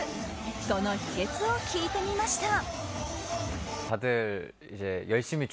その秘訣を聞いてみました。